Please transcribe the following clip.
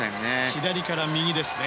左から右ですね。